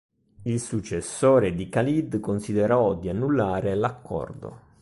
Il successore di Khalid considerò di annullare l'accordo.